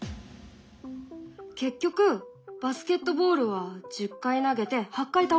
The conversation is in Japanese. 結局バスケットボールは１０回投げて８回倒れた。